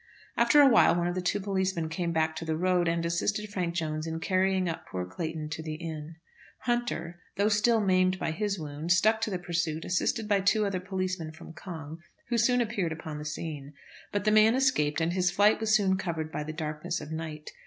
After a while one of the two policemen came back to the road, and assisted Frank Jones in carrying up poor Clayton to the inn. Hunter, though still maimed by his wound, stuck to the pursuit, assisted by two other policemen from Cong, who soon appeared upon the scene. But the man escaped, and his flight was soon covered by the darkness of night.